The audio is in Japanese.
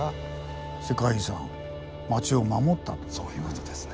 そういう事ですね。